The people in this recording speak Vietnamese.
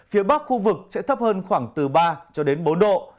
phía bắc khu vực sẽ thấp hơn khoảng từ ba bốn độ